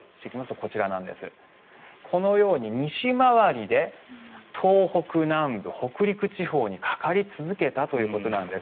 このように西回りで東北南部、北陸地方にかかり続けたということなんです。